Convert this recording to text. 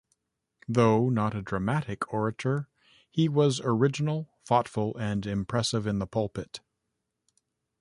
Though not a dramatic orator, he was original, thoughtful and impressive in the pulpit.